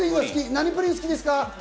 何プリンが好きですか？